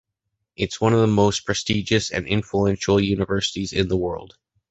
It’s one of the most prestigious and influential universities in the world.